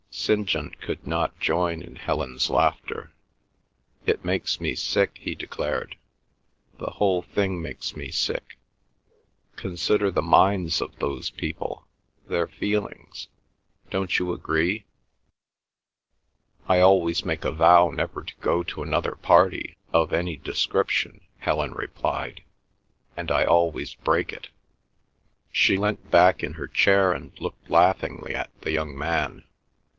St. John could not join in Helen's laughter. "It makes me sick," he declared. "The whole thing makes me sick. ... Consider the minds of those people—their feelings. Don't you agree?" "I always make a vow never to go to another party of any description," Helen replied, "and I always break it." She leant back in her chair and looked laughingly at the young man.